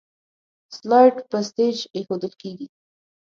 سلایډ په سټیج ایښودل کیږي.